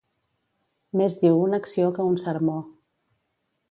Més diu una acció que un sermó.